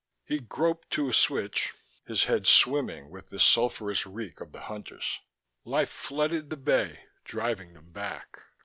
He groped to a switch, his head swimming with the sulphurous reek of the Hunters; light flooded the bay, driving them back.